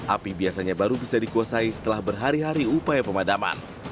api biasanya baru bisa dikuasai setelah berhari hari upaya pemadaman